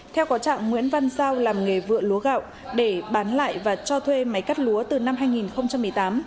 theo có trạng nguyễn văn giao làm nghề vựa lúa gạo để bán lại và cho thuê máy cắt lúa từ năm hai nghìn một mươi tám